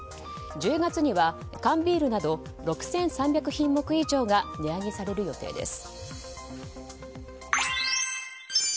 １０月には缶ビールなど６３００品目以上が値上げされる予定です。